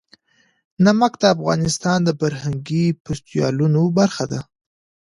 نمک د افغانستان د فرهنګي فستیوالونو برخه ده.